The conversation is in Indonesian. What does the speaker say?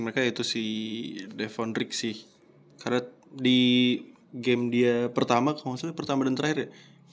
mereka itu si devon rick sih karena di game dia pertama maksudnya pertama dan terakhir ya